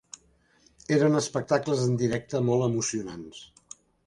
Eren espectacles en directe molt emocionants.